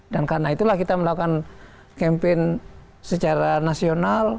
dan karena itulah kita melakukan kempen secara nasional